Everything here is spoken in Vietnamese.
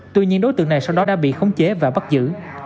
tuy nhiên đối tượng này sau đó đã bị khống chế và bắt giữ